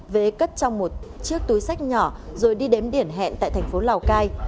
vế cất trong một chiếc túi sách nhỏ rồi đi đếm điển hẹn tại thành phố lào cai